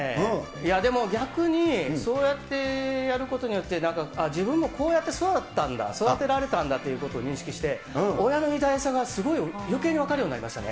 でも逆にそうやってやることによって、自分もこうやって育ったんだ、育てられたんだということを認識して、親の偉大さがすごいよけいに分かるようになりましたね。